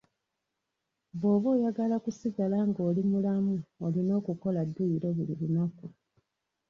Bw'oba oyagala okusigala nga oli mulamu, olina okukola dduyiro buli lunaku.